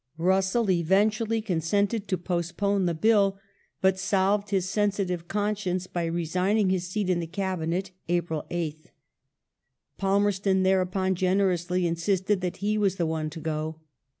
Russell eventually con sented to postpone the Bill, but salved his sensitive conscience by resigning his seat in the Cabinet (April 8th). Palmerston, there upon, generously insisted that he was the one to go.